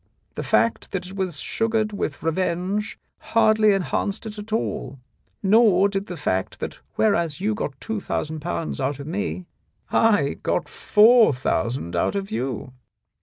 The fact that it was sugared with revenge hardly enhanced it at all, nor did the fact that whereas you got two thousand pounds out of me, I got four thousand out of you.